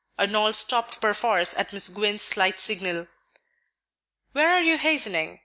Arnold stopped perforce at Miss Gwynne's slight signal. "Where are you hastening?"